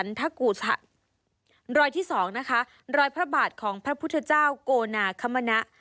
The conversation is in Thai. พระกูชะรอยที่สองนะคะรอยพระบาทของพระพุทธเจ้าโกนาคมนะ